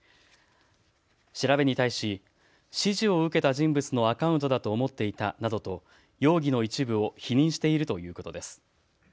調べに対し指示を受けた人物のアカウントだと思っていたなどと容疑の一部を否認しているということです。